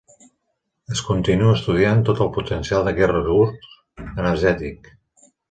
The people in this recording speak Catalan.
Es continua estudiant tot el potencial d'aquest recurs energètic.